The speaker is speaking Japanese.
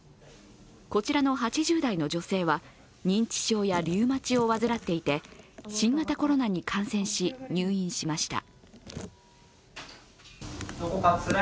こちらの８０代の女性は、認知症やリウマチを患っていて新型コロナに感染し入院しました。